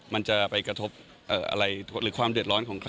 มันจะไปกระทบอะไรหรือความเดือดร้อนของใคร